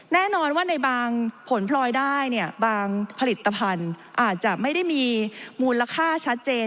แน่นอนว่าในบางผลพลอยได้เนี่ยบางผลิตภัณฑ์อาจจะไม่ได้มีมูลค่าชัดเจน